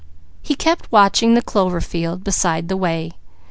He kept watching the clover field beside the way.